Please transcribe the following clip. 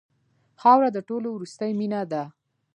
خاوره د ټولو وروستۍ مینه ده.